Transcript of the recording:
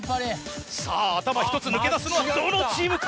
頭ひとつ抜け出すのはどのチームか？